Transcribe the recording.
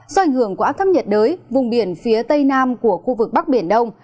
do ảnh hưởng của áp thấp nhiệt đới vùng biển phía tây nam của khu vực bắc biển đông